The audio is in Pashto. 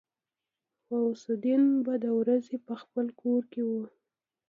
غوث الدين به د ورځې په خپل کور کې و.